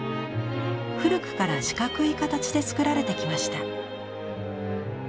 古くから四角い形で作られてきました。